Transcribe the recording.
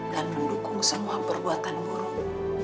dan mendukung semua perbuatan buruk